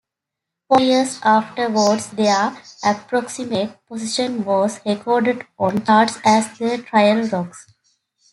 For years afterwards their approximate position was recorded on charts as the Tryal Rocks.